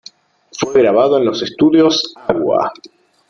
Fue grabado en los estudios "Agua".